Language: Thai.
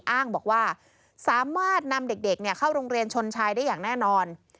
อ้างบอกว่าสามารถนำเด็กเข้าโรงเรียนชนชายได้อย่างแน่นอน